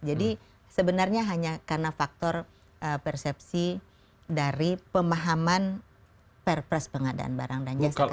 jadi sebenarnya hanya karena faktor persepsi dari pemahaman perpres pengadaan barang jasa